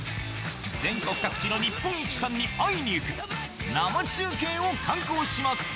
全国各地の日本一さんに会いに行く、生中継を慣行します。